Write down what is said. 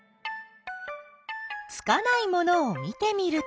つかないものを見てみると。